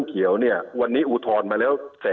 หมดเล่มเขียวเนี่ยวันนี้อูทลมาแล้ว๑๖๐๐๐๐ไร